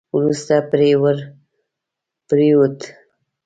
وروسته پرې ور پرېووت.